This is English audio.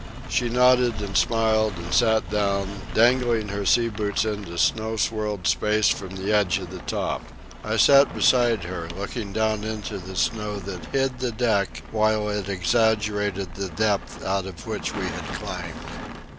She nodded and smiled, and sat down, dangling her sea boots into snow swirled space from the edge of the top. I sat beside her, looking down into the snow that hid the deck while it exaggerated the depth out of which we had climbed.